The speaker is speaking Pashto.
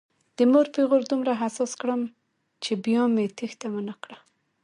د مور پیغور دومره حساس کړم چې بیا مې تېښته ونه کړه.